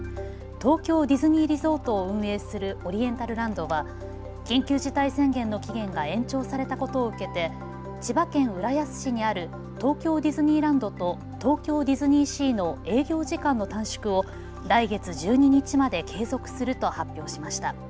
東京ディズニーリゾートを運営するオリエンタルランドは緊急事態宣言の期限が延長されたことを受けて千葉県浦安市にある東京ディズニーランドと東京ディズニーシーの営業時間の短縮を来月１２日まで継続すると発表しました。